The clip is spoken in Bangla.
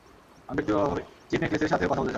আমি ব্যাক্তিগত ভাবে চিফ নিকলসের সাথেও কথা বলতে চাই।